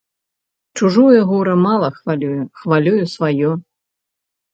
Чужое гора мала хвалюе, хвалюе сваё.